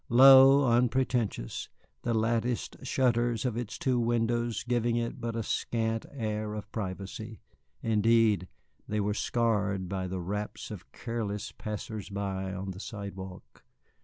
Low, unpretentious, the latticed shutters of its two windows giving it but a scant air of privacy, indeed, they were scarred by the raps of careless passers by on the sidewalk.